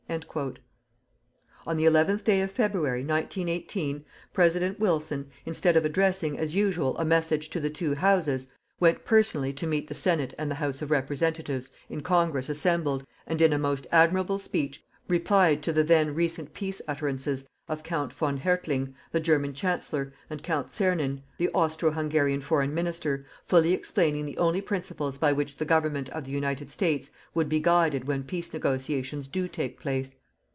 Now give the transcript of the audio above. '_" On the eleventh day of February, 1918, President Wilson, instead of addressing as usual a message to the two Houses, went personally to meet the Senate and the House of Representatives, in Congress assembled, and, in a most admirable speech, replied to the then recent peace utterances of Count von Hertling, the German Chancellor, and Count Czernin, the Austro Hungarian Foreign Minister, fully explaining the only principles by which the Government of the United States would be guided when peace negotiations do take place.